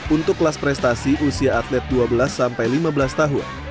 untuk kelas prestasi usia atlet dua belas sampai lima belas tahun